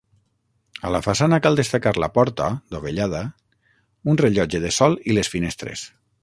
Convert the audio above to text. A la façana cal destacar la porta, dovellada, un rellotge de sol i les finestres.